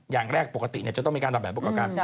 อย่างแรกปกติเนี่ยจะต้องมีการทำแผนประกอบการ